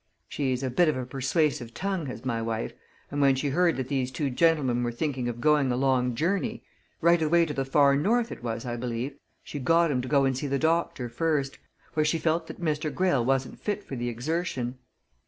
She's a bit of a persuasive tongue, has my wife, and when she heard that these two gentlemen were thinking of going a long journey right away to the far north, it was, I believe she got 'em to go and see the doctor first, for she felt that Mr. Greyle wasn't fit for the exertion."